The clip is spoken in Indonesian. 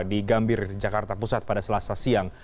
di gambir jakarta pusat pada selasa siang